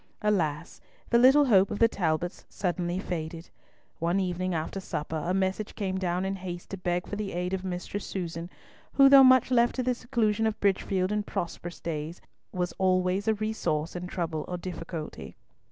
Alas! the little hope of the Talbots suddenly faded. One evening after supper a message came down in haste to beg for the aid of Mistress Susan, who, though much left to the seclusion of Bridgefield in prosperous days, was always a resource in trouble or difficulty.